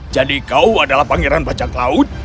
jadi kau adalah pangeran bajak laut